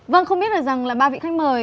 vâng không biết được rằng là ba vị khách mời